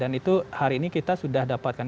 dan itu hari ini kita sudah dapatkan